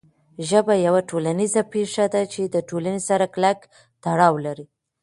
ژبه یوه ټولنیزه پېښه ده چې د ټولنې سره کلک تړاو لري.